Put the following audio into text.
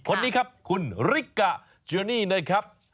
คนนี้ครับคุณริกะเชอรี่นะครับ